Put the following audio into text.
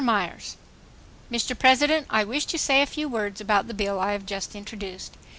MYERS: Mr. President, I wish to say a few words about the bill I have just introduced.